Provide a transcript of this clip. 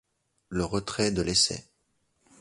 Le retrait de l'essai.